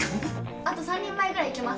あと３人前ぐらいいけます。